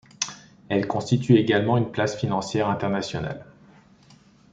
Elle constitue également une place financière internationale.